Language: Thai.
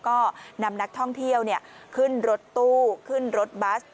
ก็นำนักท่องเที่ยวขึ้นรถตู้ขึ้นรถบัส